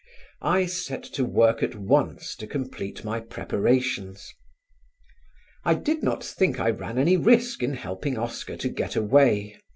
I set to work at once to complete my preparations. I did not think I ran any risk in helping Oscar to get away.